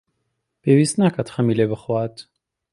پێویست ناکات خەمی لێ بخوات.